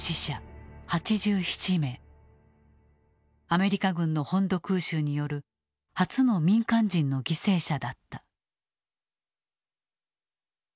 アメリカ軍の本土空襲による初の民間人の犠牲者だった。